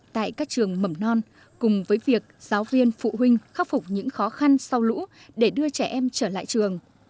tại các trường mầm non cùng với việc giáo viên phụ huynh khắc phục những khó khăn sau lũ để đưa trẻ em trở lại trường